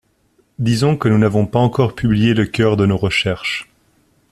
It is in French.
Disons que nous n’avons pas encore publié le cœur de nos recherches